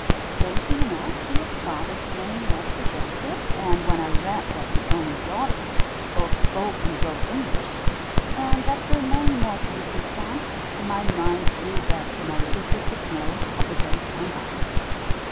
Strangely enough your father's name was suggested, and when I read that the only daughter both spoke and wrote English, and that her name was Yuki San, my mind flew back to my "Little Sister Snow" of the days gone by.